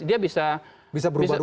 dia bisa bisa berubah rubah ya